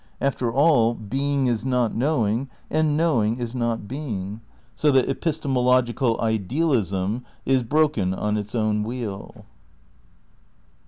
After all, being is not knowing, and knowing is not being; so that epis temological idealism is broken on its own wheel.